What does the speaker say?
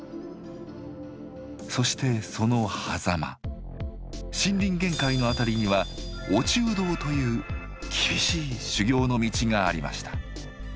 そしてその狭間森林限界の辺りには厳しい修行の道がありました。